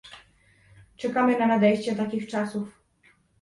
Czekamy na nadejście takich czasów